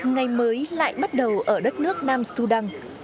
ngày mới lại bắt đầu ở đất nước nam sô đăng